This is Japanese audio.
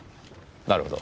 なるほど。